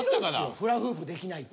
フラフープできないって。